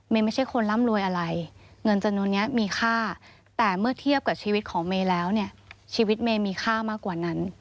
ไม่ใช่คนร่ำรวยอะไรเงินจำนวนนี้มีค่าแต่เมื่อเทียบกับชีวิตของเมย์แล้วเนี่ยชีวิตเมย์มีค่ามากกว่านั้น